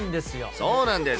そうなんです。